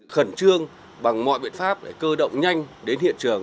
khẩn trương bằng mọi biện pháp để cơ động nhanh đến hiện trường